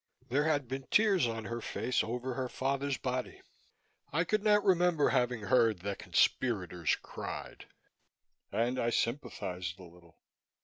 There had been tears on her face, over her father's body. I could not remember having heard that conspirators cried. And I sympathized a little.